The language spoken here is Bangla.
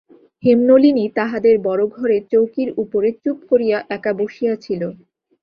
হেমনলিনী তাহাদের বড়ো ঘরে চৌকির উপরে চুপ করিয়া একা বসিয়া ছিল।